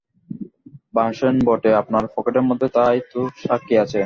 বাসেন বটে, আপনার পকেটের মধ্যেই তো তার সাক্ষী আছে।